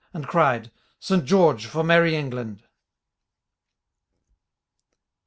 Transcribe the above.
And cried, " St George, for merry England f XX.